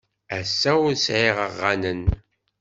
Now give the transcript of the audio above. Ass-a ur sɛiɣ aɣanen.